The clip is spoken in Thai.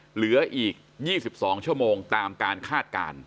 เหลืออีก๒๒ชั่วโมงตามการคาดการณ์